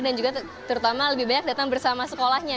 dan juga terutama lebih banyak datang bersama sekolahnya